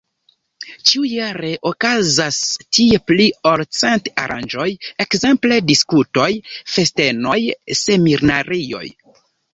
Ĉiujare okazas tie pli ol cent aranĝoj, ekzemple diskutoj, festenoj, seminarioj.